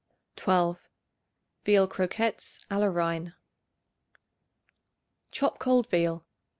12. Veal Croquettes a la Reine. Chop cold veal.